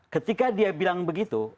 ketika dia bilang begitu